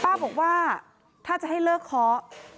บอกว่าถ้าจะให้เลิกเคาะ